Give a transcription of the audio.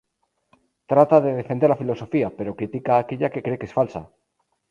Trata de defender la filosofía, pero critica aquella que cree que es falsa.